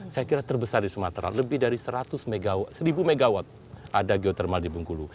saya kira terbesar di sumatera lebih dari seribu megawatt ada geotermal di bungkulu